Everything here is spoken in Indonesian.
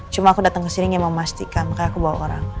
cuma aku datang kesini gak mau memastikan makanya aku bawa orang